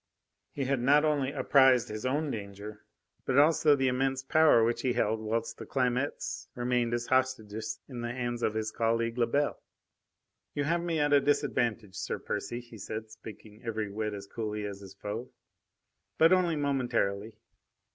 He had not only apprised his own danger, but also the immense power which he held whilst the Clamettes remained as hostages in the hands of his colleague Lebel. "You have me at a disadvantage, Sir Percy," he said, speaking every whit as coolly as his foe. "But only momentarily.